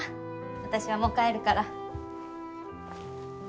私はもう帰るから。